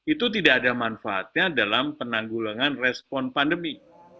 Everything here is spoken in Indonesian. itu tidak ada manfaatnya dalam penanggulangan respon pandemi